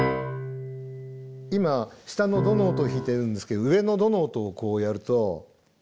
今下のドの音を弾いてるんですけど上のドの音をこうやると。